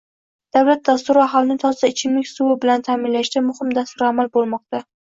Davlat dasturi aholini toza ichimlik suvi bilan ta’minlashda muhim dasturilamal bo‘lmoqda